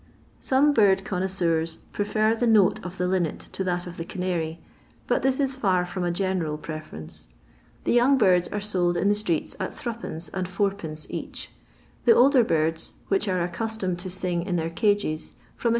Some bifd connoissenn prefer the note of the lomet to that of the canary, but this is fitf from a ge&cnl prefinrenoe. The young birds are sold in the streets at M, and id, each ; the older birds, wbieh are aeeostomed to sing in their cages, from Is.